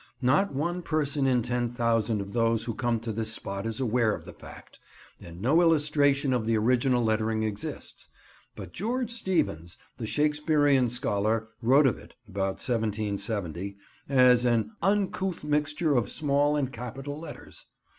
Not one person in ten thousand of those who come to this spot is aware of the fact, and no illustration of the original lettering exists; but George Steevens, the Shakespearean scholar, wrote of it, about 1770, as an "uncouth mixture of small and capital letters."